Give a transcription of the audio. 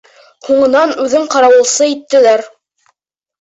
Һуңынан үҙен ҡарауылсы иттеләр.